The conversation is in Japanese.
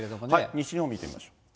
西日本見てみましょう。